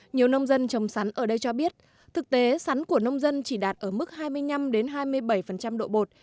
nhiều nông dân trồng sắn ở đây cho biết thực tế sắn của nông dân chỉ đạt ở mức hai mươi năm hai mươi bảy độ bột